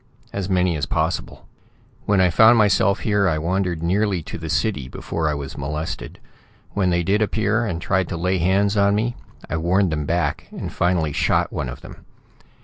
As many as possible. "When I found myself here, I wandered nearly to the city before I was molested. When they did appear, and tried to lay hands on me, I warned them back, and finally shot one of them.